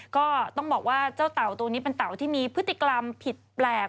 ก็ต้องบอกว่าเจ้าเต่าตัวนี้เป็นเต่าที่มีพฤติกรรมผิดแปลก